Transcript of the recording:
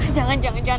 jangan jangan jangan